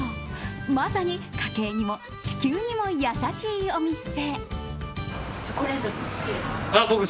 まさに家計にも地球にも優しいお店。